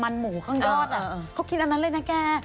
มันหมูข้างยอดเขากินอันนั้นเลยนะแก